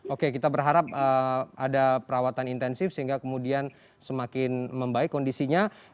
oke kita berharap ada perawatan intensif sehingga kemudian semakin membaik kondisinya